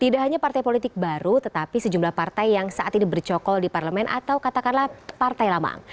tidak hanya partai politik baru tetapi sejumlah partai yang saat ini bercokol di parlemen atau katakanlah partai lamang